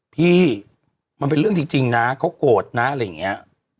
พี่มันเป็นเรื่องจริงนะเขาโกรธนะอะไรอย่างนี้